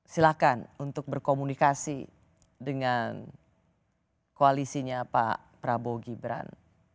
silahkan untuk berkomunikasi dengan koalisinya pak prabowo gibran